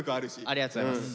ありがとうございます。